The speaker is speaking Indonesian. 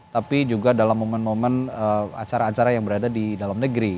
tapi juga dalam momen momen acara acara yang berada di dalam negeri